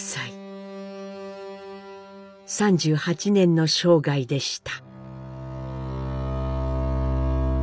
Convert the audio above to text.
３８年の生涯でした。